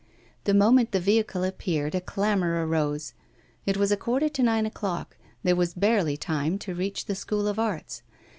The moment the vehicle appeared, a clamour arose. It was a quarter to nine o'clock, there was barely time to reach the School of Arts.